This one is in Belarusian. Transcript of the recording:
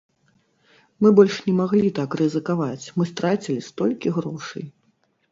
Мы больш не маглі так рызыкаваць, мы страцілі столькі грошай.